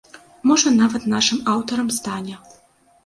Можа, нават нашым аўтарам стане.